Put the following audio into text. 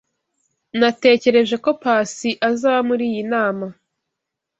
Natekereje ko Pacy azaba muri iyi nama.